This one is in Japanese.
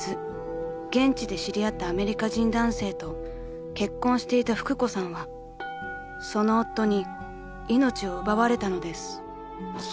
［現地で知り合ったアメリカ人男性と結婚していた福子さんはその夫に命を奪われたのです］